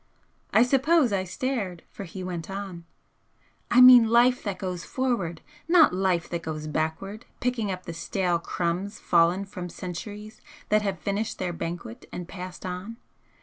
I suppose I stared for he went on 'I mean Life that goes forward, not Life that goes backward, picking up the stale crumbs fallen from centuries that have finished their banquet and passed on.